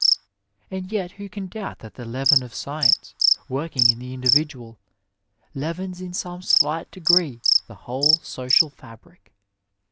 And yet who can doubt that the leaven of science, working in the individual, leavens in some slight degree the whole social fabric.